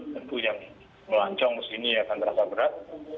tentu yang melancong ke sini akan terasa berat